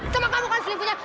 sama kamu kan selingkuhnya